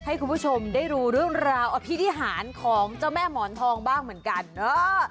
ให้คุณผู้ชมได้ดูเรื่องราวอภินิหารของเจ้าแม่หมอนทองบ้างเหมือนกันเออ